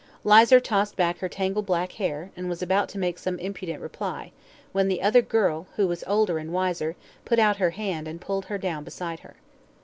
Lizer tossed back her tangled black hair, and was about to make some impudent reply, when the other girl, who was older and wiser, put out her hand, and pulled her down beside her.